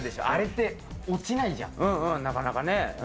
あれって落ちないじゃん、なかなか。